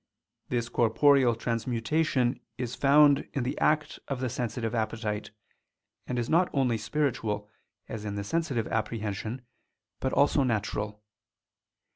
This corporeal transmutation is found in the act of the sensitive appetite, and is not only spiritual, as in the sensitive apprehension, but also natural.